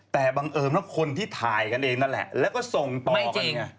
แต่บังเอิญว่าคนที่ถ่ายกันเองนั่นแหละแล้วก็ส่งต่อกันไง